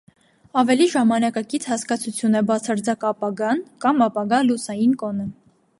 Ավելի ժամանակակից հասկացություն է բացարձակ ապագան, կամ ապագա լուսային կոնը։